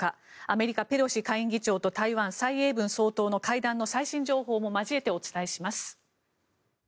アメリカ、ペロシ下院議長と台湾、蔡英文総統の会談の最新情報も交えてお伝えします。